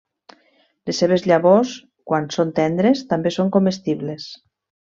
Les seves llavors quan són tendres també són comestibles.